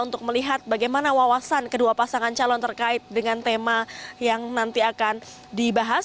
untuk melihat bagaimana wawasan kedua pasangan calon terkait dengan tema yang nanti akan dibahas